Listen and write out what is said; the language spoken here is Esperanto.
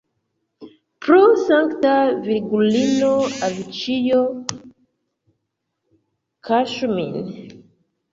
Pro Sankta Virgulino, avĉjo, kaŝu min!